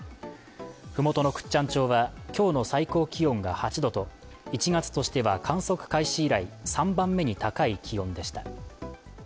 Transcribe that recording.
ふもとの倶知安町は今日の最高気温が８度と１月としては観測開始以来３番目に高い気温でした。